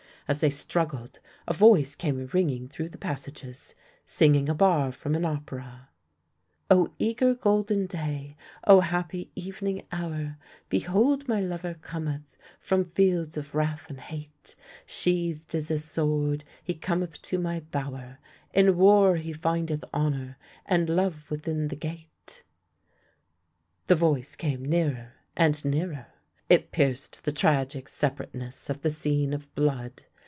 As they struggled, a voice came ringing through the passages, singing a bar from an opera —" Oh eager golden day, Oh happy evening hour! Behold my lover cometh from fields of wrath and hate! Sheathed is his sword; he cometh to my bower; In war he findeth honour, and love within the gate." Tiie voice came nearer and nearer. It pierced the tragic separateness of the scene of blood.